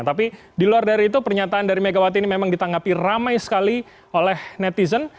tapi di luar dari itu pernyataan dari megawati ini memang ditanggapi ramai sekali oleh netizen